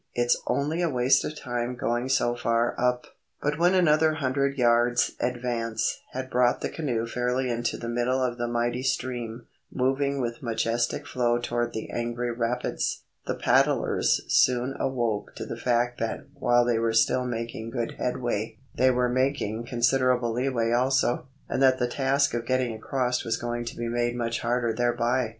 It's only a waste of time going so far up." But when another hundred yards' advance had brought the canoe fairly into the middle of the mighty stream, moving with majestic flow toward the angry rapids, the paddlers soon awoke to the fact that while they were still making good headway, they were making considerable leeway also, and that the task of getting across was going to be made much harder thereby.